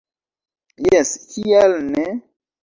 Jes, kial ne?